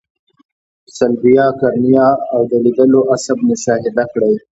صلبیه، قرنیه او د لیدلو عصب مشاهده کړئ.